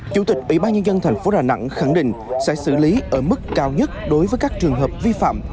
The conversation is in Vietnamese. chủ tịch ủy ban nhân dân tp đà nẵng khẳng định sẽ xử lý ở mức cao nhất đối với các trường hợp vi phạm